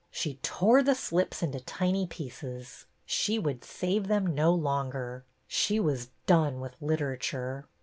She tore the slips into tiny pieces. She would save them no longer. She was done with Literature